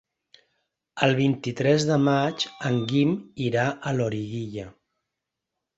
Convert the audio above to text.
El vint-i-tres de maig en Guim irà a Loriguilla.